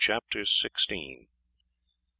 CHAPTER SIXTEENTH.